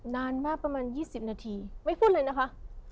นานมากประมาณ๒๐นาทีไม่พูดเลยนะคะ